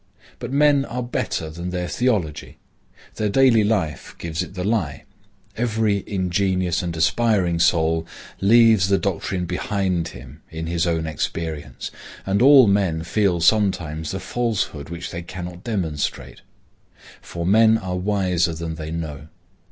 But men are better than their theology. Their daily life gives it the lie. Every ingenuous and aspiring soul leaves the doctrine behind him in his own experience, and all men feel sometimes the falsehood which they cannot demonstrate. For men are wiser than they know.